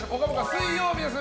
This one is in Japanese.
水曜日です。